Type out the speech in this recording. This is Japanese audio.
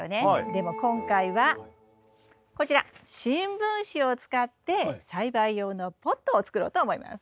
でも今回はこちら新聞紙を使って栽培用のポットを作ろうと思います。